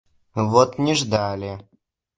Вот не ждали!